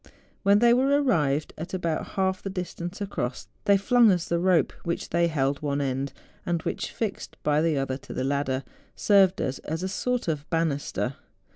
When they were arrived at about half the distance across, they flung us the rope which they held one end, and which, fixed by the other to the ladder, served us as a sort of banister.